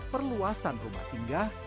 perluasan rumah singgah